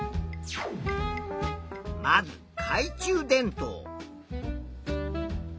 まずかい中電灯。